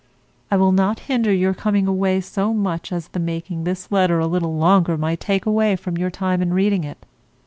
I will not hinder your coming away so much as the making this letter a little longer might take away from your time in reading it.